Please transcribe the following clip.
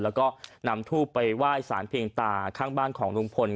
แล้วก็นำทูบไปไหว้สารเพียงตาข้างบ้านของลุงพล